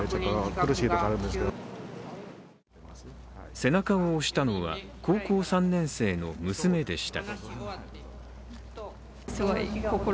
背中を押したのは、高校３年生の娘でした。